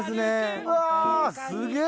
うわすげえ！